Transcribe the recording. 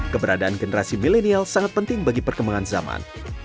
keberadaan generasi milenial sangat penting bagi perkembangan zaman